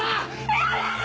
やめて！